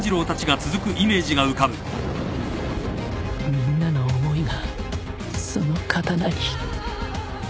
みんなの思いがその刀に